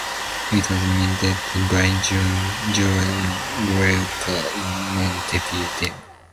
It was minted by Juan Welker in Montevideo.